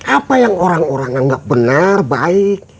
apa yang orang orang anggap benar baik